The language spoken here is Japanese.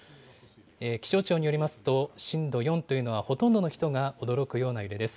気象庁によりますと、震度４というのは、ほとんどの人が驚くような揺れです。